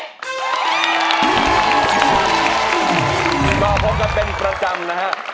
เราพบกันเป็นประจำนะครับ